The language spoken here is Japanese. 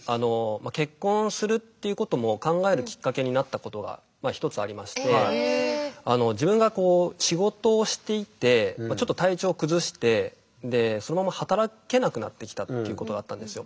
結婚するっていうことも考えるきっかけになったことが１つありまして自分がこう仕事をしていてちょっと体調を崩してでそのまま働けなくなってきたっていうことがあったんですよ。